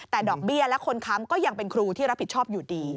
แต่ดอกเบี้ยและคนค้ำก็ยังเป็นครูที่รับผิดชอบอยู่ดี